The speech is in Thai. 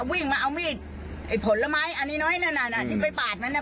วิ่งมาเอามีดไอ้ผลไม้อันนี้น้อยนั่นน่ะที่ไปปาดมันน่ะ